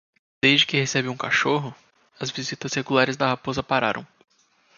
Desde que recebi um cachorro?, as visitas regulares da raposa pararam.